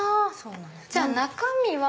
じゃあ中身は。